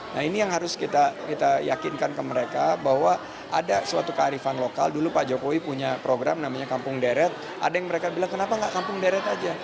nah ini yang harus kita yakinkan ke mereka bahwa ada suatu kearifan lokal dulu pak jokowi punya program namanya kampung deret ada yang mereka bilang kenapa nggak kampung deret aja